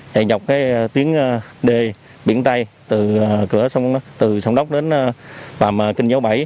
chạy nhọc tuyến d biển tây từ sông đốc đến phàm kinh dấu bảy